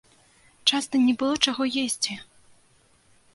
Часта не было чаго есці.